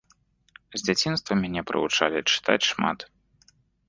З дзяцінства мяне прывучалі чытаць шмат.